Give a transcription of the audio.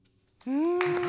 うん。